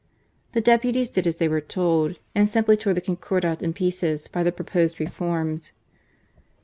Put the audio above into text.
The deputies did as they were told, and simply tore the Concordat in pieces by their proposed reforms.